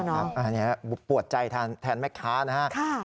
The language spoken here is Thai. อันนี้ปวดใจแทนแม่ค้านะครับ